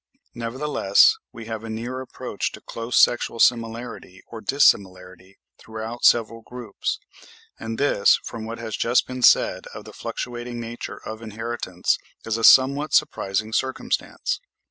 Nevertheless we have a near approach to close sexual similarity or dissimilarity throughout several groups: and this, from what has just been said of the fluctuating nature of inheritance, is a somewhat surprising circumstance.